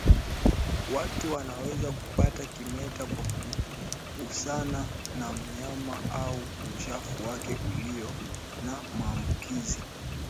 Watu wanaweza kupata kimeta kwa kugusana na mnyama au uchafu wake ulio na maambukizi